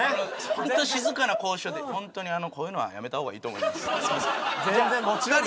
本当に静かな交渉で「本当にこういうのはやめた方がいいと思います」って。